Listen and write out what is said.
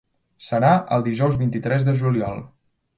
Serà el dijous vint-i-tres de juliol.